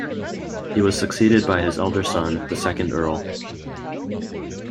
He was succeeded by his elder son, the second Earl.